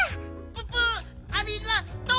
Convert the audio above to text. ププありがと！